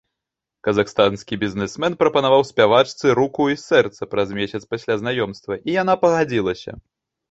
Казахстанскі бізнэсмен прапанаваў спявачцы руку і сэрца праз месяц пасля знаёмства і яна пагадзілася.